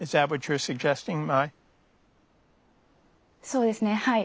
そうですねはい。